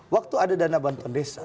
waktu ada dana bantuan desa